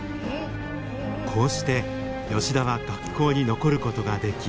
こうして吉田は学校に残ることができ。